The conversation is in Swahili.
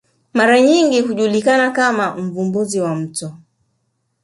mara nyingi hujulikana kama mvumbuzi wa mto